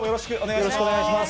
よろしくお願いします。